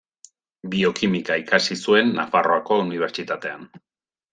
Biokimika ikasi zuen Nafarroako Unibertsitatean.